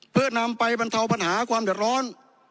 เพื่อนำไปบรรเทาปัญหาความเดือดร้อน